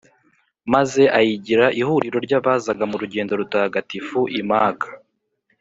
maze ayigira ihuriro ry’abazaga mu rugendo rutagatifu i maka,